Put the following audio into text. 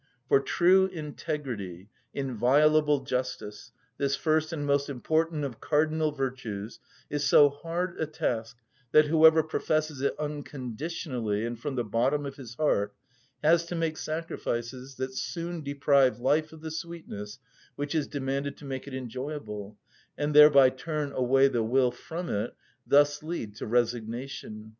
For true integrity, inviolable justice, this first and most important of cardinal virtues, is so hard a task that whoever professes it unconditionally and from the bottom of his heart has to make sacrifices that soon deprive life of the sweetness which is demanded to make it enjoyable, and thereby turn away the will from it, thus lead to resignation.